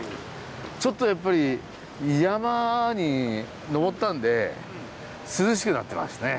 ちょっとやっぱり山に登ったんで涼しくなってますね。